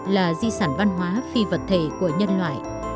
là di sản văn hóa phi vật thể của nhân loại